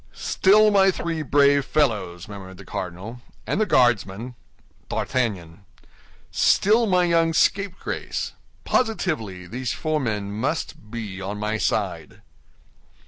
"Still my three brave fellows!" murmured the cardinal. "And the Guardsman?" "D'Artagnan." "Still my young scapegrace. Positively, these four men must be on my side."